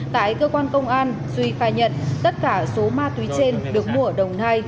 tại cơ quan công an duy khai nhận tất cả số ma túy trên được mua ở đồng nai